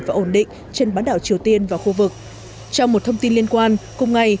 và ổn định trên bán đảo triều tiên và khu vực trong một thông tin liên quan cùng ngày